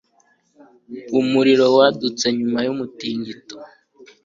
Umuriro wadutse nyuma y’umutingito.